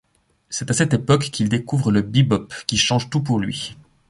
C’est à cette époque qu’il découvre le bebop, qui change tout pour lui.